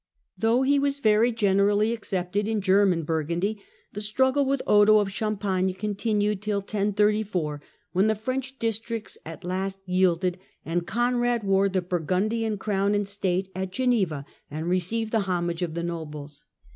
Though he was very generally accepted in German Bur gundy, the struggle with Odo of Champagne continued till 1034, when the French districts at length yielded, and Conrad wore the Burgundian crown in state at Geneva, and received the homage of the nobles.